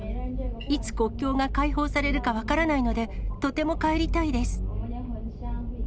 いつ国境が開放されるか分からないので、とても帰りたいです。